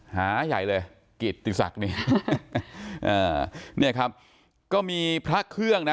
หาใหญ่เลยกิตติศักดิ์นี่อ่าเนี่ยครับก็มีพระเครื่องนะ